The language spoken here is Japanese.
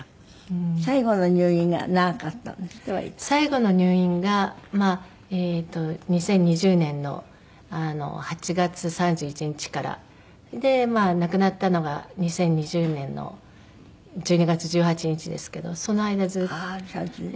最後の入院が２０２０年の８月３１日からでまあ亡くなったのが２０２０年の１２月１８日ですけどその間ずっと。